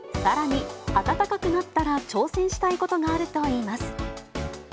さらに暖かくなったら挑戦したいことがあるといいます。